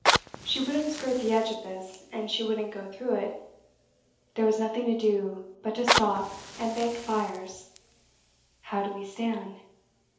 She wouldn't skirt the edge of this and she wouldn't go through it. There was nothing to do but to stop and bank fires. How do we stand?